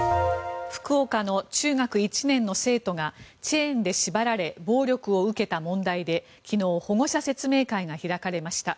福岡の中学１年の生徒がチェーンで縛られ暴力を受けた問題で昨日保護者説明会が開かれました。